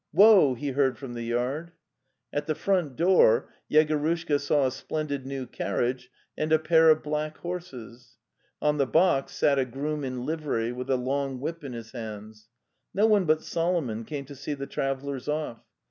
'"'Woa!" he heard from the yard. At the front door Yegorushka saw a splendid new carriage and a pair of black horses. On the box sat a groom in livery, with a long whip in his hands. No one but Solomon came to see the travellers off.